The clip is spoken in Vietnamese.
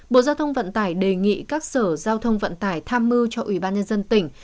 bộ giao thông vận tải đề nghị các sở giao thông vận tải tham mưu cho ủy ban nhân dân tỉnh